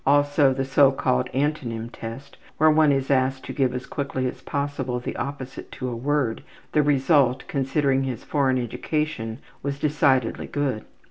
Also, the so called Antonym Test, where one is asked to give as quickly as possible the opposite to a word, the result, considering his foreign education, was decidedly good.